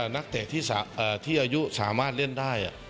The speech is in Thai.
นักเตะที่อายุสามารถเล่นได้